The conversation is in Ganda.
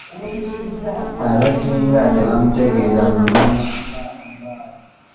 Abasinga tebamutegera bulungi.